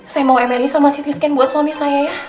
saya mau emelis sama sitiskan buat suami saya ya